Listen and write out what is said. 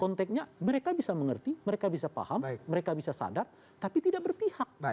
konteksnya mereka bisa mengerti mereka bisa paham mereka bisa sadar tapi tidak berpihak